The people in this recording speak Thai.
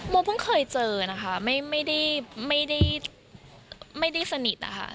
เพิ่งเคยเจอนะคะไม่ได้สนิทนะคะ